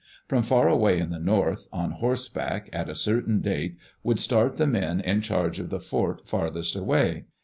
From far away in the north, on horseback, at a certain date, would start the men in charge of the fort farthest away.